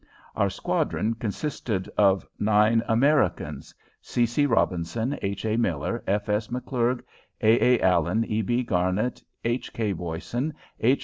Our squadron consisted of nine Americans, C. C. Robinson, H. A. Miller, F. S. McClurg, A. A. Allen, E. B. Garnett, H. K. Boysen, H.